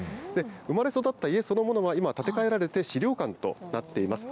生まれ育った家そのものは、今、建て替えられて、資料館となっています。